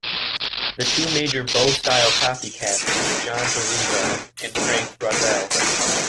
The two major Bo-style copycats were John Dorusa and Frank Brazzell.